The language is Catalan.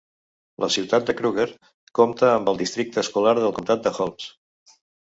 La ciutat de Cruger compta amb el districte escolar del comtat de Holmes.